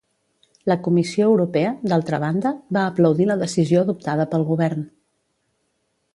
La Comissió Europea, d'altra banda, va aplaudir la decisió adoptada pel govern.